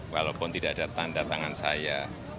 walaupun tidak ada tanda tangan saya